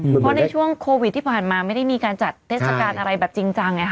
เพราะในช่วงโควิดที่ผ่านมาไม่ได้มีการจัดเทศกาลอะไรแบบจริงจัง